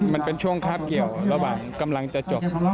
มันเป็นช่วงคาบเกี่ยวระหว่างกำลังจะจบ